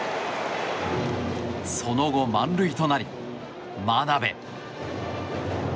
その後満塁となり、真鍋。